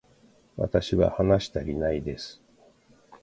私は話したりないです